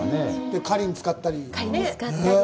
狩りに使ったり。